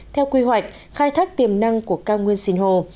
theo quy hoạch khai thác tiềm năng của cao nguyên sinh hồ